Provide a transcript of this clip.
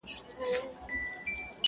زړه به درکوم ته به یې نه منې!.